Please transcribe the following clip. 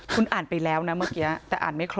คุณอ่านไปแล้วนะเมื่อกี้แต่อ่านไม่ครบ